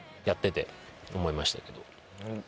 やってて思いましたけど。